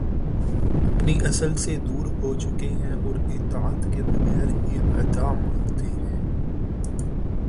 اپنی اصل سے دور ہوچکے ہیں اور اطاعت کے بغیر ہی عطا مانگتے ہیں